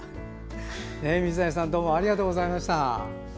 水谷さんどうもありがとうございました。